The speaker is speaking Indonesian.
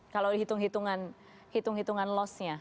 kalau dihitung hitungan loss nya